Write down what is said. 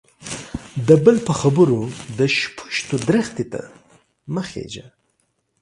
د بل په خبرو د شپيشتو درختي ته مه خيژه.